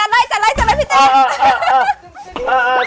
อ่าฮะฮะอ่า